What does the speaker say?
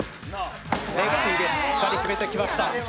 レフティーでしっかり決めてきました。